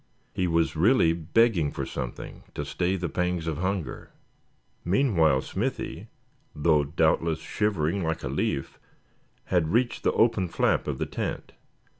He was really begging for something to stay the pangs of hunger. Meanwhile Smithy, though doubtless shivering like a leaf, had reached the open flap of the tent.